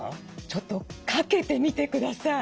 ちょっとかけてみてください。